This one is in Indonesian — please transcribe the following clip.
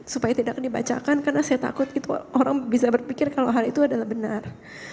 supaya tidak dibacakan karena saya takut orang bisa berpikir kalau hal itu adalah benar